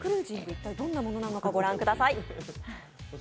一体どんなものなのか御覧ください。